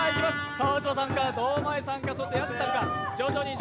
川島さんか堂前さんか屋敷さんか。